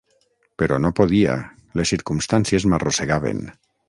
Però no podia, les circumstàncies m'arrossegaven.